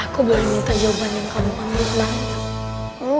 aku boleh minta jawaban yang kamu panggil